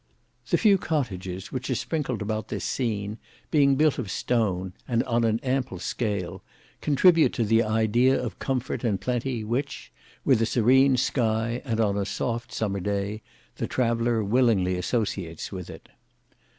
The few cottages which are sprinkled about this scene being built of stone, and on an ample scale, contribute to the idea of comfort and plenty which, with a serene sky and on a soft summer day, the traveller willingly associates with it.